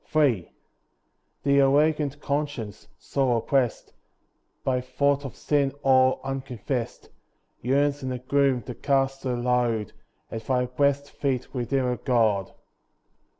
III The awakened conscience, sore oppressed By thought of sin all unconfessed, Yearns in the gloom, to cast her load At Thy blest feet, Redeemer, God.